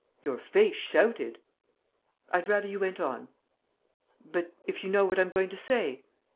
"Your face shouted!" "I'd rather you went on." "But if you know what I'm going to say?"